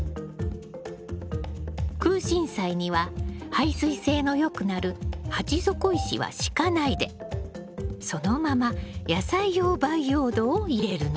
クウシンサイには排水性の良くなる鉢底石は敷かないでそのまま野菜用培養土を入れるの。